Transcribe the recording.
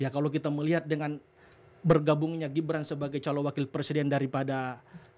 kalau kita melihat dengan bergabungnya gibran sebagai calon wakil presiden daripada ganjar